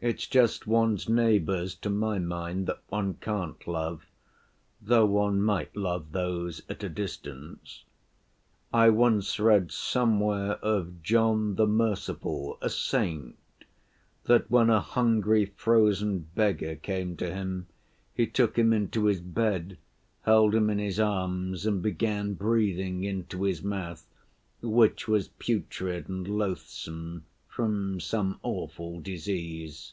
It's just one's neighbors, to my mind, that one can't love, though one might love those at a distance. I once read somewhere of John the Merciful, a saint, that when a hungry, frozen beggar came to him, he took him into his bed, held him in his arms, and began breathing into his mouth, which was putrid and loathsome from some awful disease.